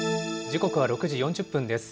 時刻は６時４０分です。